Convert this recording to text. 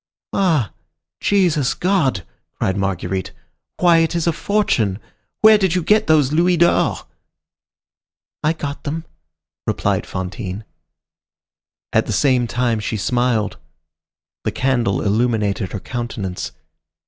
"Ah! Jesus God!" cried Marguerite. "Why, it is a fortune! Where did you get those louis d'or?" "I got them," replied Fantine. At the same time she smiled. The candle illuminated her countenance.